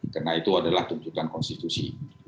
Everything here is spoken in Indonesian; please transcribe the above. karena itu adalah tuntutan konstitusi